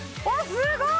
すごーい！